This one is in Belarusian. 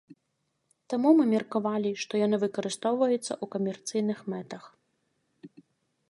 Таму мы меркавалі, што яны выкарыстоўваюцца ў камерцыйных мэтах.